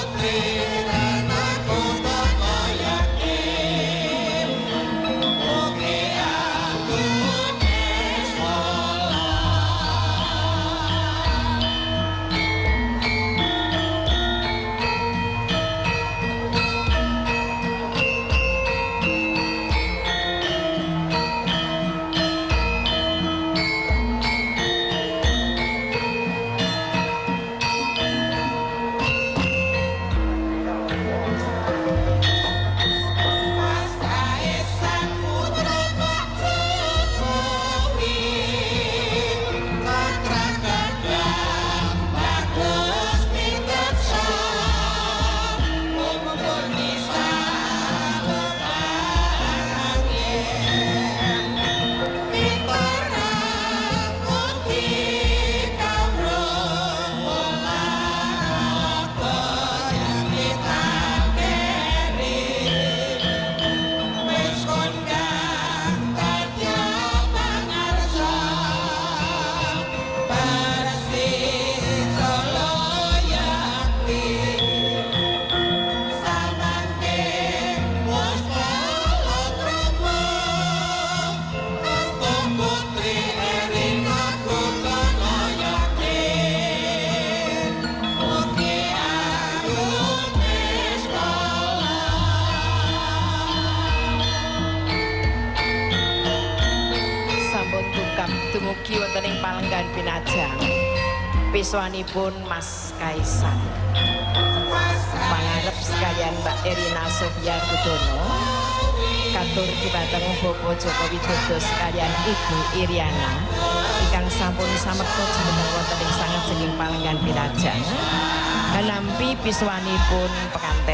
tepuknya ribaku mati